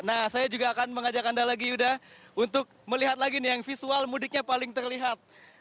nah saya juga akan mengajak anda lagi yuda untuk melihat lagi nih yang visual mudiknya paling terlihat